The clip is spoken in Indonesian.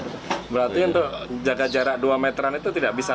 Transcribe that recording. berarti untuk jaga jarak dua meteran itu tidak bisa